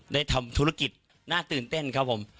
ได้ทำธุรกิจน่าตื่นเต้นครับผม